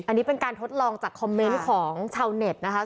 อันนี้เป็นการทดลองจากของชาวเน็ตนะคะใช่